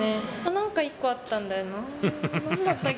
なんか一個あったんだよなー。